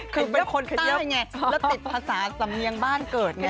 คือเป็นคนไปเที่ยวไงแล้วติดภาษาสำเนียงบ้านเกิดไง